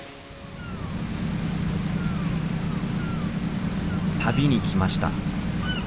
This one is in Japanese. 旅に来ました。